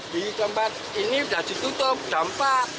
di tempat ini sudah ditutup dampak